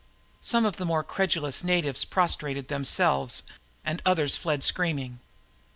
Some of the more credulous natives prostrated themselves and others fled screaming.